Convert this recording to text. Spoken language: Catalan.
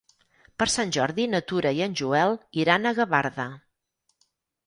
Per Sant Jordi na Tura i en Joel iran a Gavarda.